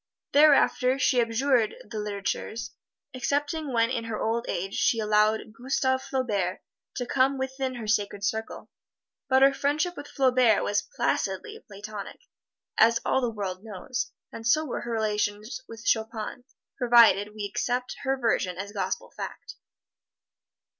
Thereafter she abjured the litterateurs, excepting when in her old age she allowed Gustave Flaubert to come within her sacred circle but her friendship with Flaubert was placidly platonic, as all the world knows. And so were her relations with Chopin, provided we accept her version as gospel fact.